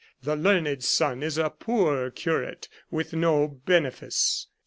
The learned son is a poor curate, with no benefice.